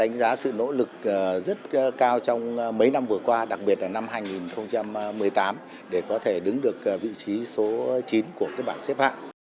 đánh giá sự nỗ lực rất cao trong mấy năm vừa qua đặc biệt là năm hai nghìn một mươi tám để có thể đứng được vị trí số chín của các bảng xếp hạng